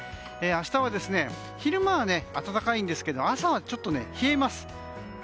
明日は、昼間は暖かいんですけど朝はちょっと冷えます。